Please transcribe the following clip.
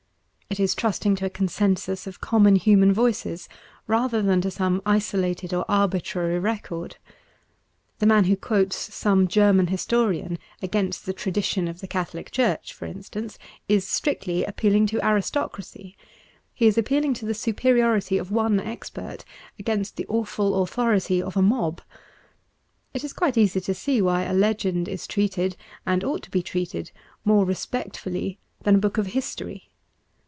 It is trusting to a consensus of common human voices rather than to some isolated or arbitrary record. The man who quotes some German historian against the tradition, of the Catholic Church, for instance, is strictly appealing to aristocracy. He is appealing to the superiority of one expert against the awful authority of a mob. It is quite easy to see why a legend is treated, and ought to be treated, more respectfully than a book of history.